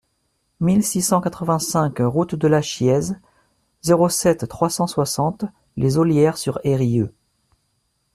mille six cent quatre-vingt-cinq route de la Chiéze, zéro sept, trois cent soixante, Les Ollières-sur-Eyrieux